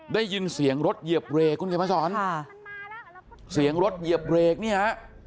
ได้ยินเสียงรถเหยียบเรกคุณเขียนมาสอนค่ะเสียงรถเหยียบเบรกเนี่ยฮะ